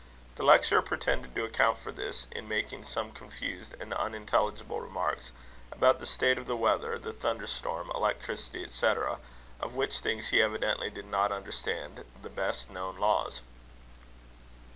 The lecturer pretended to account for this, in making some confused and unintelligible remarks about the state of the weather, the thunder storm, electricity, &c., of which things he evidently did not understand the best known laws.